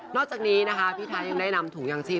อกจากนี้นะคะพี่ไทยยังได้นำถุงยางชีพ